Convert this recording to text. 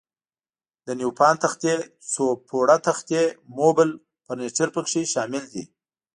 د نیوپان تختې، څو پوړه تختې، موبل او فرنیچر پکې شامل دي.